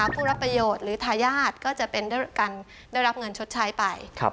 ผู้รับประโยชน์หรือทายาทก็จะเป็นการได้รับเงินชดใช้ไป